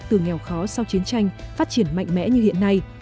từ nghèo khó sau chiến tranh phát triển mạnh mẽ như hiện nay